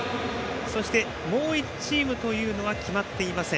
そして、もう１チームというのは決まっていません。